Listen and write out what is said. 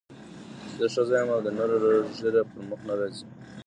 زه ښځه یم او د نر ږیره پر مخ نه راځي.